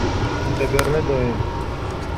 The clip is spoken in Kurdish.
Te bernedaye.